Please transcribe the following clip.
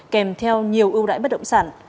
kèm theo nhiều ưu đãi bất động sản